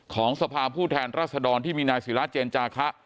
สภาพผู้แทนรัศดรที่มีนายศิราเจนจาคะ